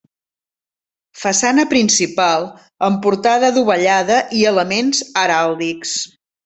Façana principal amb portada dovellada i elements heràldics.